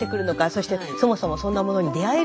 そしてそもそもそんなものに出会えるのか。